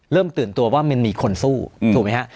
เริ่มตื่นตัวว่ามันมีคนสู้ถูกมั้ยคะ